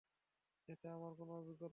এতে আমার কোন অভিজ্ঞতাই নেই।